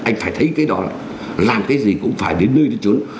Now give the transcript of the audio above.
anh phải thấy cái đó là làm cái gì cũng phải đến nơi đến trốn